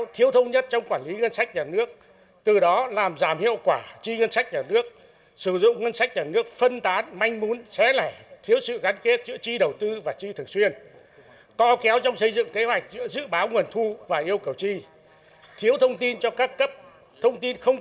thiếu thông tin cho các cấp thông tin không kịp thời thiếu chính xác không rõ trách nhiệm của từng cơ quan